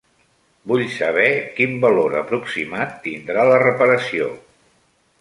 Vull saber quin valor aproximat tindrà la reparació.